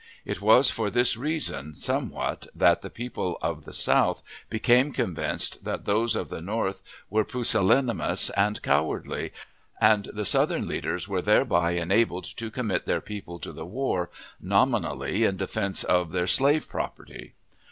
It was for this reason, somewhat, that the people of the South became convinced that those of the North were pusillanimous and cowardly, and the Southern leaders were thereby enabled to commit their people to the war, nominally in defense of their slave property.